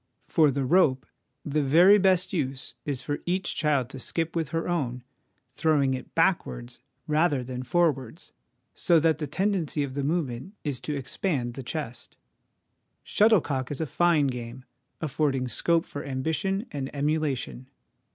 For the rope, the very best use is for each child to skip with her own, throw ing it backwards rather than forwards, so that the tendency of the movement is to expand the chest. Shuttlecock is a fine game, affording scope for ambition and emulation.